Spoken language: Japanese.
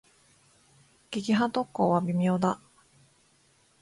撃破特攻は微妙だ。